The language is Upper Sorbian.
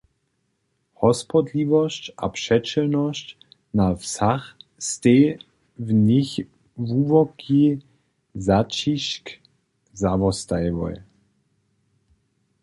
Hospodliwosć a přećelnosć na wsach stej w nich hłuboki zaćišć zawostajiłoj.